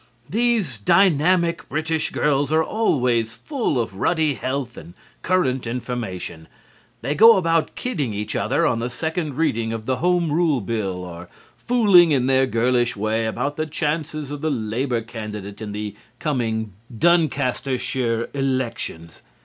These dynamic British girls are always full of ruddy health and current information. They go about kidding each other on the second reading of the Home Rule bill or fooling in their girlish way about the chances of the Labor candidate in the coming Duncastershire elections.